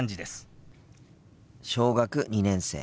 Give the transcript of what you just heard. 小学２年生。